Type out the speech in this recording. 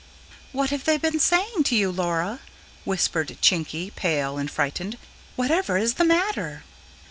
"What have they been saying to you, Laura?" whispered Chinky, pale and frightened. "Whatever is the matter?"